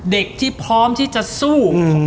เด็กที่พร้อมที่จะสู้